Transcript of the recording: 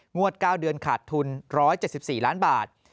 งวด๙เดือนขาดทุน๑๗๔ล้านบาท